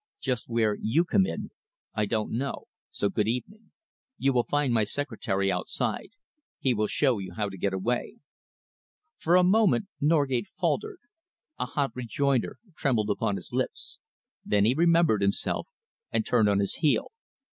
Just where you come in, I don't know, so good evening. You will find my secretary outside. He will show you how to get away." For a moment Norgate faltered. A hot rejoinder trembled upon his lips. Then he remembered himself and turned on his heel.